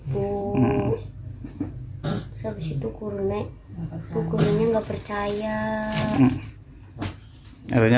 lalu guru bp tidak percaya